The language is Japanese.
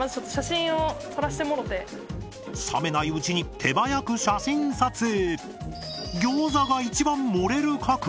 冷めないうちに手早く写真撮影！